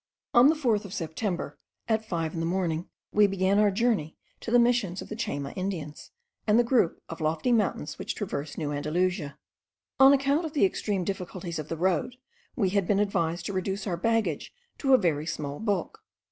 On the 4th of September, at five in the morning, we began our journey to the Missions of the Chayma Indians and the group of lofty mountains which traverse New Andalusia. On account of the extreme difficulties of the road, we had been advised to reduce our baggage to a very small bulk.